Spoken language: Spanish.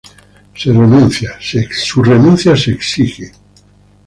Su renuncia se exige.